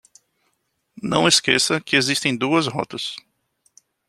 Não esqueça que existem duas rotas